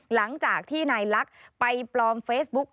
หลังจากที่นายลักษณ์ไปปลอมเฟซบุ๊ก